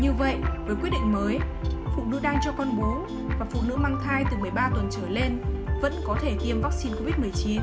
như vậy với quyết định mới phụ nữ đang cho con bố và phụ nữ mang thai từ một mươi ba tuần trở lên vẫn có thể tiêm vaccine covid một mươi chín